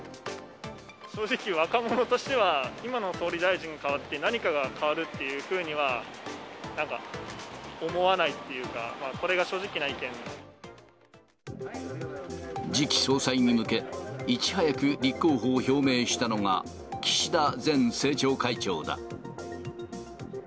正直、若者としては、今の総理大臣がかわって、何かが変わるっていうふうにはなんか、思わないっていうか、次期総裁に向け、いち早く立候補を表明したのが岸田前政調会長だ。